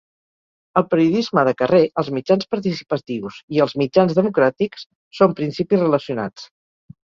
El periodisme de carrer, els mitjans participatius i els mitjans democràtics són principis relacionats.